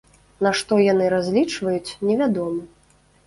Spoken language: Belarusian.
На што яны разлічваюць, невядома.